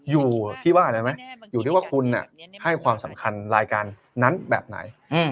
อยู่ที่ว่าอะไรไหมอยู่ที่ว่าคุณให้ความสำคัญรายการนั้นแบบไหน